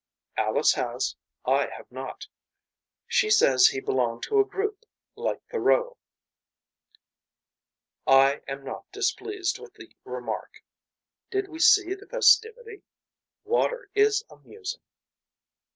Alice has. I have not. She says he belonged to a group. Like Thoreau. I am not displeased with the remark. Did we see the festivity. Water is amusing.